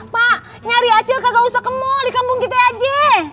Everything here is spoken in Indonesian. pak nyari acil gak usah ke mall dikampung kita aja